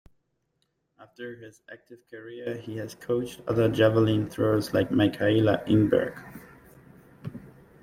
After his active career he has coached other javelin throwers like Mikaela Ingberg.